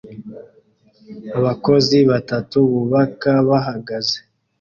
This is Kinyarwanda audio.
Abakozi batatu bubaka bahagaze